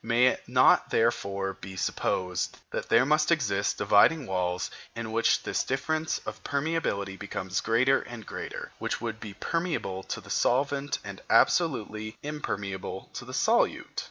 May it not therefore be supposed that there must exist dividing walls in which this difference of permeability becomes greater and greater, which would be permeable to the solvent and absolutely impermeable to the solute?